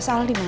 mas al dimana